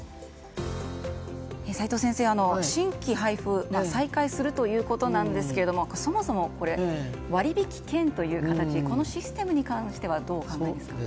齋藤先生、新規配布が再開するということなんですけどそもそも、割引券という形このシステムに関してはどうお考えですか？